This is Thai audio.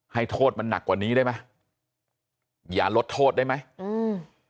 ให้โทษมันหนักกว่านี้ได้ไหมอย่าลดโทษได้ไหมอืม